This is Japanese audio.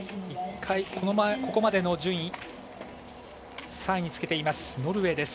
１回、ここまでの順位３位につけています、ノルウェー。